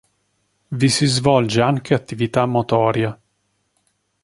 Vi si svolge anche attività motoria.